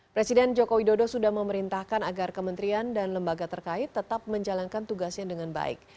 presiden joko widodo sudah memerintahkan agar kementerian dan lembaga terkait tetap menjalankan tugasnya dengan baik